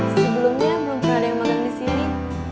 sebelumnya belum pernah ada yang makan disini